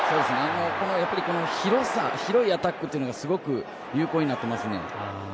この広さ広いアタックというのがすごく有効になってますね。